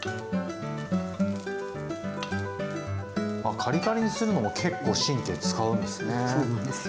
カリカリにするのも結構神経遣うんですね。